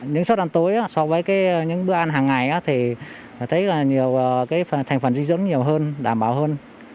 những suất ăn tối so với những bữa ăn hàng ngày thì thấy là nhiều thành phần dinh dưỡng nhiều hơn đảm bảo hơn